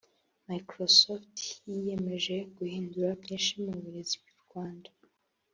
Microsoft yiyemeje guhindura byinshi mu burezi bw’u Rwanda